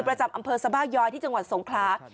ประจำอำเภอสบาย้อยที่จังหวัดสงครา